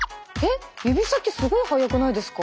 指先すごい早くないですか？